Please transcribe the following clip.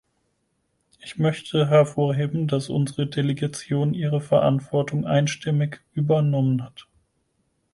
Ich möchte hervorheben, dass unsere Delegation ihre Verantwortung einstimmig übernommen hat.